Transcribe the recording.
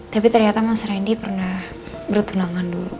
tapi ternyata mas rendy pernah bertunangan dulu